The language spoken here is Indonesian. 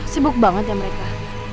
sibuk banget ya mereka